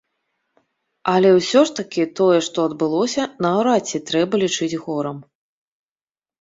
Але ўсё ж такі тое, што адбылося, наўрад ці трэба лічыць горам.